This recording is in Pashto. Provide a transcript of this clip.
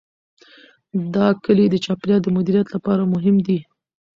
دا کلي د چاپیریال د مدیریت لپاره مهم دي.